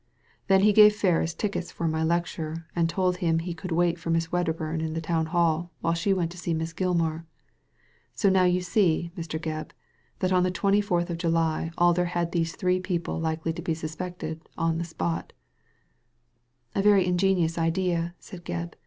Then he gave Ferris tickets for my lecture, and told him he could wait for Miss Wedderburn in the Town Hall, while she went to see Miss Gilmar. So now you see, Mr. Gebb, that on the twenty fourth of July Alder had these three people likely to be suspected on the spot" "Avery ingenious idea, said Gebb.